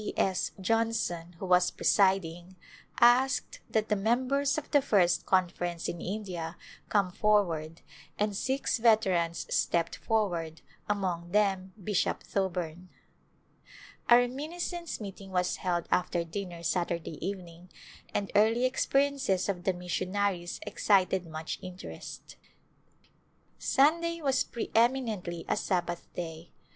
1\ S. Johnson, who was presiding, asked that the mem bers of the First Conference in India come forward and six veterans stepped forward, among them Bishop Thoburn. A reminiscence meeting was held after dinner Sat urday evening and early experiences of the missionaries excited much interest. Sunday was preeminently a Sabbath Day.